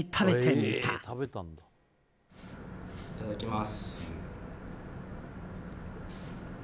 いただきます。